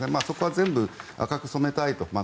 そこは全部赤く染めたいと。